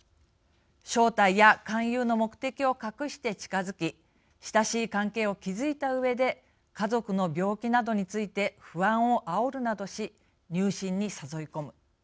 正体や勧誘の目的を隠して近づき親しい関係を築いたうえで家族の病気などについて不安をあおるなどし入信に誘い込む。